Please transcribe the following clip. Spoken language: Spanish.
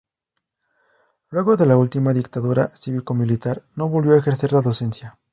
Luego de la última dictadura cívico militar, no volvió a ejercer la docencia.